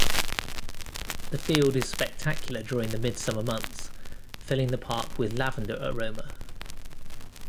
The field is spectacular during the midsummer months, filling the park with lavender aroma.